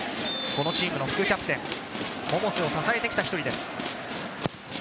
このチームの副キャプテン、百瀬を支えてきた１人です。